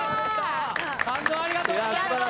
感動をありがとうございました。